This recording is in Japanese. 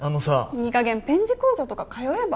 いいかげんペン字講座とか通えば？